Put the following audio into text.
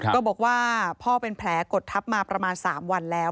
ก็บอกว่าพ่อเป็นแผลกดทับมาประมาณ๓วันแล้ว